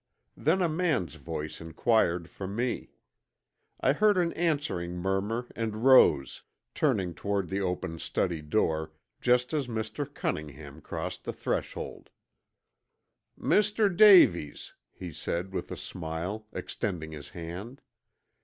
Then a man's voice inquired for me. I heard an answering murmur and rose, turning toward the open study door just as Mr. Cunningham crossed the threshold. "Mr. Davies," he said, with a smile, extending his hand.